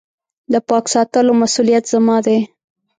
د پاک ساتلو مسولیت زما دی .